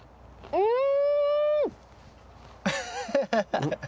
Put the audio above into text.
うん。